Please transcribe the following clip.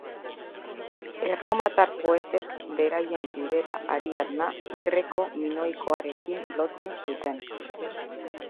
Erromatar poetek beraien Libera Ariadna greko-minoikoarekin lotzen zuten.